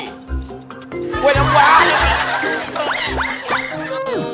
กล้วยน้ำว้าว